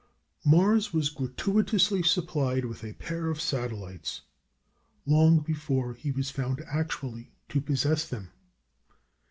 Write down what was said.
Mars was gratuitously supplied with a pair of satellites long before he was found actually to possess them.